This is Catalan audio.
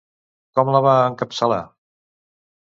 Com la va encapçalar?